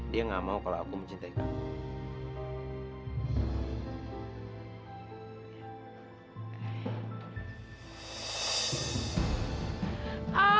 dia gak mau kalau aku mencintai kamu